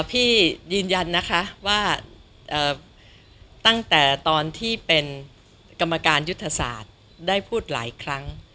ยืนยันนะคะว่าตั้งแต่ตอนที่เป็นกรรมการยุทธศาสตร์ได้พูดหลายครั้ง